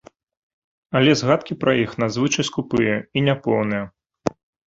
Але згадкі пра іх надзвычай скупыя і няпоўныя.